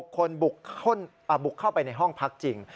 คนบุกเข้าไปในห้องพักจริง